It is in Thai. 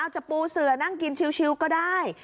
จะปูเสือนั่งกินชิวก็ได้